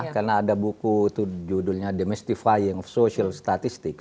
karena ada buku itu judulnya demystifying social statistics